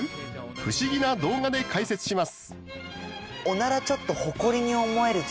不思議な動画で解説します。